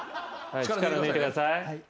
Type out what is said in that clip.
力抜いてください。